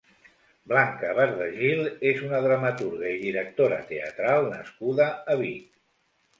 Blanca Bardagil és una dramaturga i directora teatral nascuda a Vic.